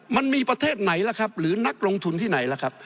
ประเทศไหนล่ะครับหรือนักลงทุนที่ไหนล่ะครับ